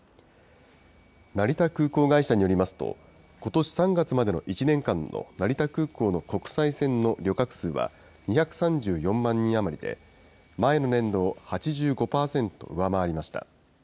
成田空港会社によりますと、ことし３月までの１年間の成田空港の国際線の旅客数は２３４万人余りで、前の年度を８５％上回りました。